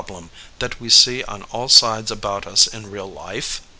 SITUATION 93 lem that we see on all sides about us in real life?